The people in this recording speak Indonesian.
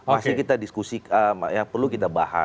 masih kita diskusikan yang perlu kita bahas